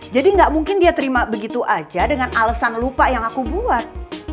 jadi gak mungkin dia terima begitu aja dengan alasan lupa yang aku buat